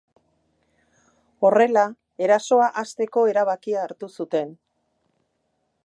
Horrela, erasoa hasteko erabakia hartu zuten.